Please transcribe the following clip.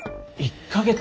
１か月？